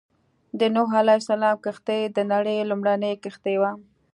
د نوح عليه السلام کښتۍ د نړۍ لومړنۍ کښتۍ وه.